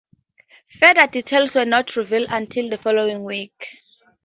Further details were not revealed until the following week.